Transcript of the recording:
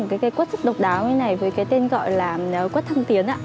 tạo ra loại cây quất rất độc đáo như thế này với tên gọi là quất thăng tiến